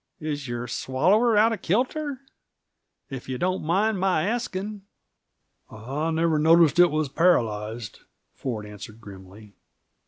Is your swallower out of kilter? If you don't mind my asking!" "I never noticed that it was paralyzed," Ford answered grimly.